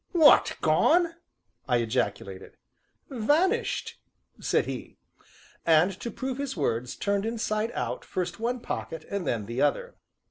"What! gone!" I ejaculated. "Vanished!" said he, and, to prove his words, turned inside out first one pocket and then the other.